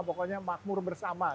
pokoknya makmur bersama